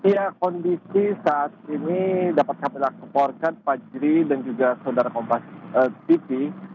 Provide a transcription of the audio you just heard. ya kondisi saat ini dapat kami lakukan pak ceri dan juga saudara kompas tv